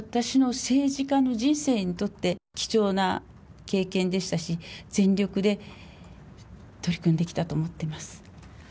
私の政治家の人生にとって、貴重な経験でしたし、全力で取り組んできたと思っています。